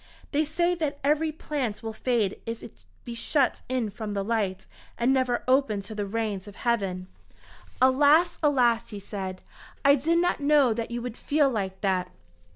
They say that every plant will fade if it be shut in from the light, and never opened to the rains of heaven." "Alas! alas!" he said. "I did not know that you would feel like that."